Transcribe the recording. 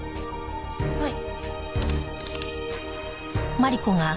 はい。